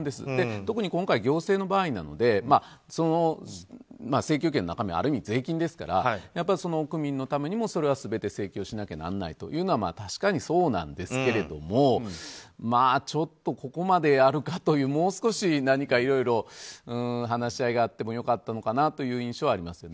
特に今回、行政の場合なので請求権の中身はある意味、税金ですからやっぱり区民のためにもそれは全て請求しなきゃならないのは確かにそうなんですけれどもここまでやるかというもう少し、何かいろいろ話し合いがあっても良かったのかなという印象はありますよね。